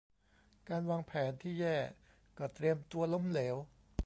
การวางแผนที่แย่ก็เตรียมตัวล้มเหลว